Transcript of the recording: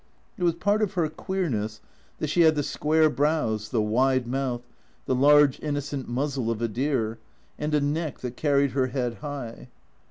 It was part of her queerness that she had the square brows, the wide mouth, the large, innocent muzzle of a deer, and a neck that carried her head high.